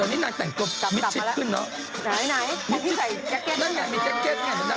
ดังนี้นายแต่งกลับมิชชิบขึ้นเนอะ